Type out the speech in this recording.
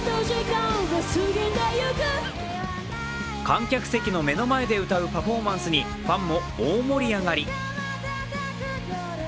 観客席の目の前で歌うパフォーマンスにファンも大盛り上がり。